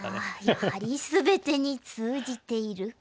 やはり全てに通じている。